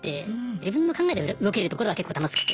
自分の考えで動けるところは結構楽しくて。